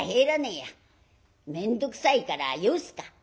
面倒くさいからよすか」。